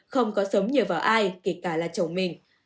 không có sống nhờ vào ai kể cả là chồng mình